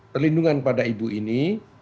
perlindungan pada ibu ini